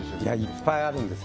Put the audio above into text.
いっぱいあるんです